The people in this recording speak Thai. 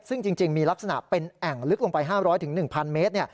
ซึ่งจริงมีลักษณะเป็นแอ่งลึกลงไป๕๐๐๑๐๐เมตร